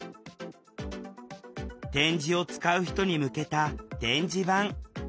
点字を使う人に向けた「点字版」。